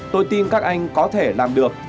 tôi tin các anh có thể làm được